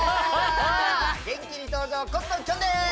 元気に登場コットンきょんです！